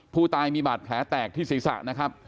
ผู้ตายมีบาดแผลแตกที่ศีรษะนะครับ